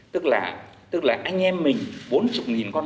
tức là anh em mình bốn mươi con